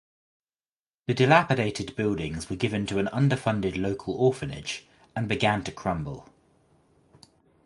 The dilapidated buildings were given to an underfunded local orphanage and began to crumble.